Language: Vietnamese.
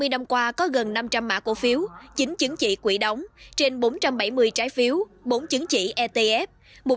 hai mươi năm qua có gần năm trăm linh mã cổ phiếu chín chứng chỉ quỹ đóng trên bốn trăm bảy mươi trái phiếu bốn chứng chỉ etf